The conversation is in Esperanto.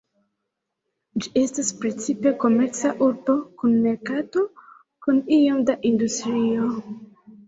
Ĝi estas precipe komerca urbo kun merkato kun iom da industrio.